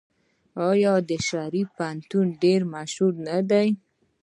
آیا د شریف پوهنتون ډیر مشهور نه دی؟